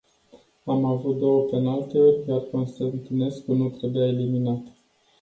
Am avut două penaltyuri, iar Constantinescu nu trebuia eliminat.